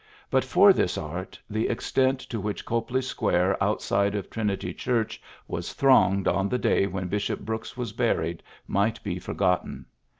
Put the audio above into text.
But for this art the extent to which Copley Square outside of Trin ity Church was thronged on the day when Bishop Brooks was buried might be for gotten.